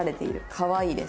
かわいいです」。